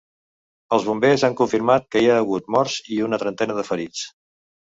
Els bombers han confirmat que hi ha hagut morts i una trentena de ferits.